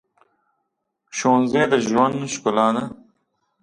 ښوونځی د ژوند ښکلا ده